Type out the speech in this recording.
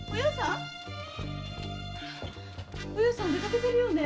お葉さん出かけてるようね。